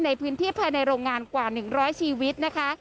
ในพื้นที่ภายในโรงงานกว่า๑๐๐ชีวิตนะคะ